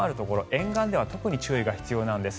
沿岸では特に注意が必要なんです。